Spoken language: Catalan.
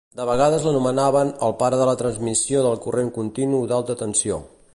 De vegades l'anomenaven "el pare de la transmissió del corrent continu d'alta tensió".